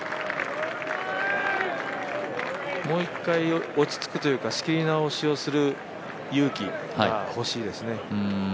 もう一回落ち着くというか仕切り直しをする勇気ほしいですね。